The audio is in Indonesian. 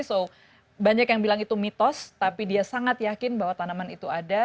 so banyak yang bilang itu mitos tapi dia sangat yakin bahwa tanaman itu ada